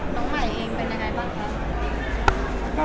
น้องใหม่เองเป็นยังไงบ้างคะ